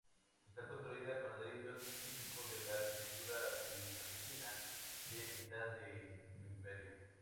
Está construida con ladrillos, típico de la arquitectura bizantina de mitad del Imperio.